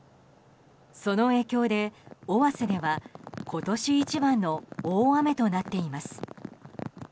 その影響で尾鷲では今年一番の大雨となっています。